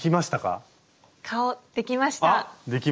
あっできました。